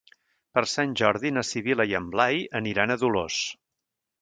Per Sant Jordi na Sibil·la i en Blai aniran a Dolors.